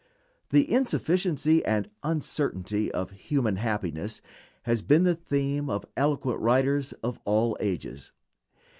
The insufficiency and uncertainty of human happiness has been the theme of eloquent writers of all ages.